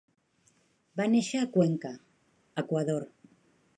Va néixer a Cuenca, Equador.